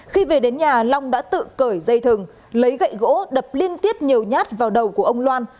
khi về đến nhà long đã tự cởi dây thừng lấy gậy gỗ đập liên tiếp nhiều nhát vào đầu của ông loan